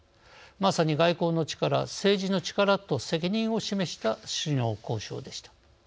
まさに外交の力政治の力と責任を示した首脳交渉でした。